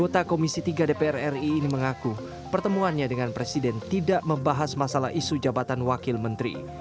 tidak membahas masalah isu jabatan wakil menteri